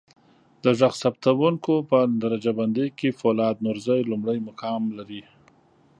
د ږغ ثبتکوونکو په درجه بندی کې فولاد نورزی لمړی مقام لري.